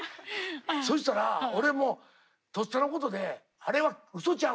そしたら俺もとっさのことで「あれはうそちゃう。